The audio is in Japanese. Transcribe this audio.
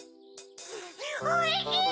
おいしい！